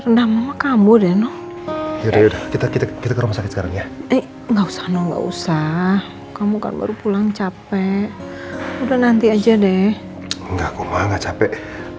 nggak kumah nggak capek